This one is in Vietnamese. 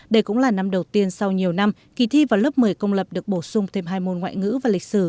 đây cũng là năm đầu tiên sau nhiều năm kỳ thi vào lớp một mươi công lập được bổ sung thêm hai môn ngoại ngữ và lịch sử